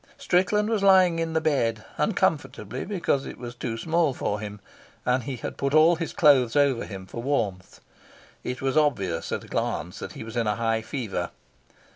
Strickland was lying in the bed, uncomfortably because it was too small for him, and he had put all his clothes over him for warmth. It was obvious at a glance that he was in a high fever.